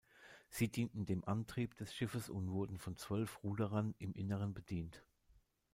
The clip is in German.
Sie dienten dem Antrieb des Schiffes und wurden von zwölf Ruderern im Inneren bedient.